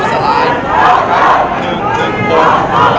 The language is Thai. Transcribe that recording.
มุมการก็แจ้งแล้วเข้ากลับมานะครับ